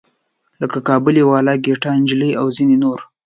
لکه کابلی والا، ګیتا نجلي او ځینې نور.